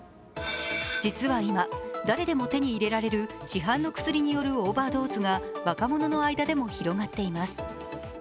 実は今、誰でも手に入れられる市販の薬によるオーバードーズが若者の間でも広がっています。